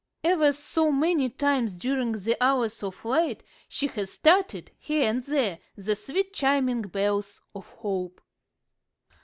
Ever so many times during the hours of light she has started, here and there, the sweet chiming bells of hope."